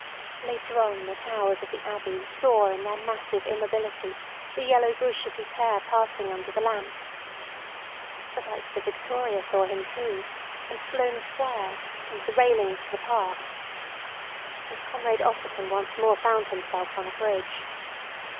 Later on the towers of the Abbey saw in their massive immobility the yellow bush of his hair passing under the lamps. The lights of Victoria saw him too, and Sloane Square, and the railings of the park. And Comrade Ossipon once more found himself on a bridge.